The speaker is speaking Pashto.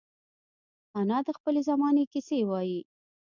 انا د خپلې زمانې کیسې وايي